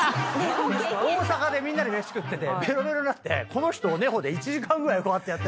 大阪でみんなで飯食っててべろべろになってこの人１時間ぐらいこうやって。